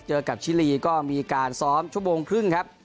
เจอกับชิลีก็มีการซ้อมชั่วโมงครึ่งครับ